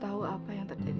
mas apa sih yang ini